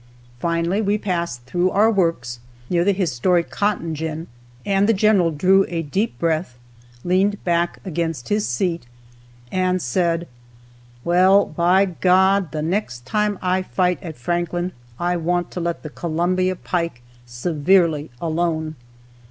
Finally we passed through our works, near the historic "cotton gin," and the general drew a deep breath, leaned back against his seat, and said: "Well, by God, the next time I fight at Franklin, I want to let the Columbia pike severely alone!"